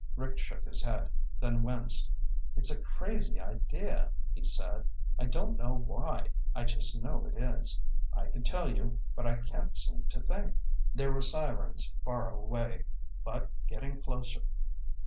Rick shook his head, then winced. "It's a crazy idea," he said. "I don't know why. I just know it is. I could tell you, but I can't seem to think." There were sirens far away, but getting closer.